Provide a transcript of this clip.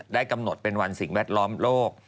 ได้กำหนดเป็นวันสิ่งแวดล้อมโลก